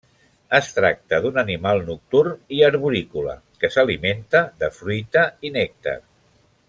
Es tracta d'un animal nocturn i arborícola que s'alimenta de fruita i nèctar.